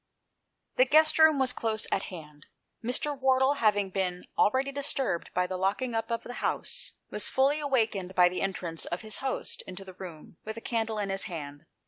The guest room was close at hand. Mr. Wardle, having been already disturbed by the 168 THE PLACE OP SAFETY. locking up of the house, was fully awakened by the entrance of his host into the room with a candle in his hand.